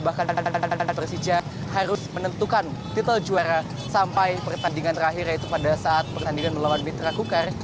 bahkan persija harus menentukan titel juara sampai pertandingan terakhir yaitu pada saat pertandingan melawan mitra kukar